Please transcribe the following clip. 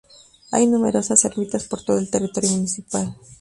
Hay numerosas ermitas por todo el territorio municipal.